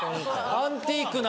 アンティークな。